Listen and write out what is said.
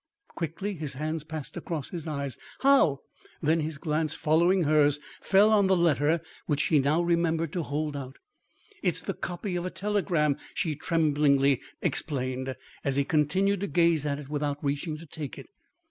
Quickly his hands passed across his eyes. "How " Then his glance, following hers, fell on the letter which she now remembered to hold out. "It's the copy of a telegram," she tremblingly explained, as he continued to gaze at it without reaching to take it.